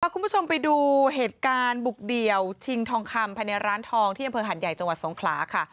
คุณผู้ชมไปดูเหตุการณ์บุกเดี่ยวชิงทองคำภายในร้านทองที่อำเภอหัดใหญ่จังหวัดสงขลาค่ะ